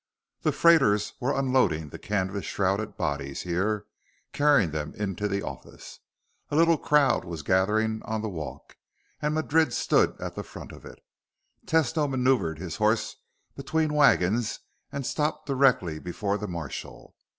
The freighters were unloading the canvas shrouded bodies here, carrying them into the office. A little crowd was gathering on the walk, and Madrid stood at the front of it. Tesno maneuvered his horse between wagons and stopped directly before the marshal.